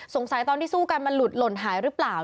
ตอนที่สู้กันมันหลุดหล่นหายหรือเปล่า